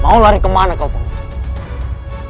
mau lari kemana kau bang